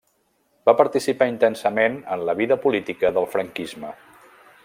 Va participar intensament en la vida política del franquisme.